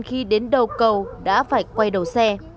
khi đến đầu cầu đã phải quay đầu xe